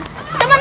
ayo teman teman